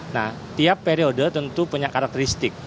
nah tiap periode tentu punya karakteristik